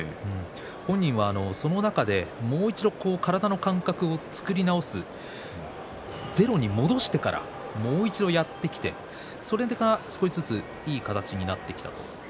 本人はその中でもう一度、体の感覚を作り直してゼロに戻してからもう一度やってきてそれが少しずついい形になってきた。